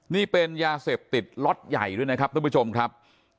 นี่เป็นยาเสพติดล็อตใหญ่ด้วยนะครับทุกผู้ชมครับ